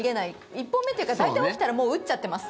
１本目というか、大体起きたらもう打っちゃってます。